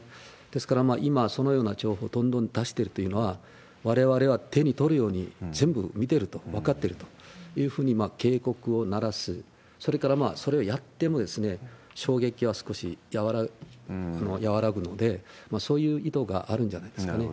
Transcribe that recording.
ですから、今そのような情報をどんどん出しているというのは、われわれは手に取るように全部見てると、分かってるというふうに警告を鳴らす、それから、それをやっても、衝撃は少し和らぐので、そういう意図があるんじゃないですかね。